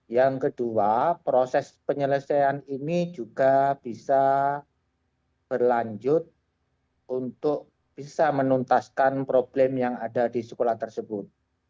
yang kedua proses penyelesaian ini juga bisa berlanjut untuk bisa menuntaskan problem yang ada di sekolah tersebut